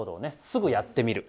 すぐやってみる。